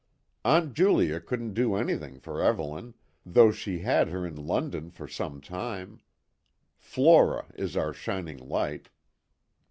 Aunt Julia couldn't do anything for Evelyn, though she had her in London for some time. Flora is our shining light."